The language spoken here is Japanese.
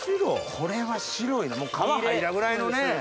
これは白いなもう皮剥いだぐらいのね。